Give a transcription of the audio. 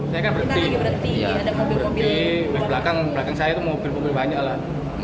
saya kan berhenti belakang saya itu mobil mobil banyak lah